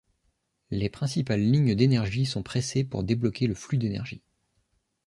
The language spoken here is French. Les principales lignes d’énergie sont pressées pour débloquer le flux d’énergie.